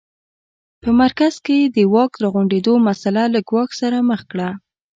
په مرکز کې د واک راغونډېدو مسٔله له ګواښ سره مخ کړه.